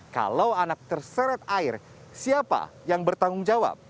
kalau anak terseret air siapa yang bertanggung jawab